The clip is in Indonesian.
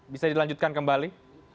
bisa dilanjutkan kembali